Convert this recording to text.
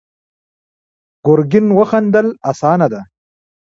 ګرګين وخندل: اسانه ده.